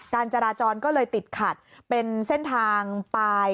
การจราจรก็เลยติดขัดเป็นเส้นทางปลาย